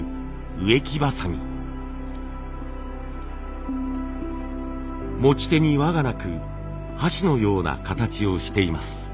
持ち手に輪がなく箸のような形をしています。